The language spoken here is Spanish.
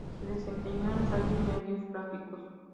Se desempeñó en radio y medios gráficos.